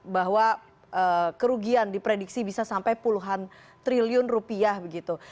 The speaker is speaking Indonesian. bahwa kerugian diprediksi bisa sampai puluhan triliun rupiah begitu